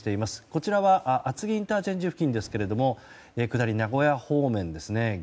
こちらは厚木ＩＣ付近ですが下り、名古屋方面ですね。